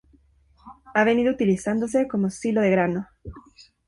Ha venido utilizándose como silo de grano.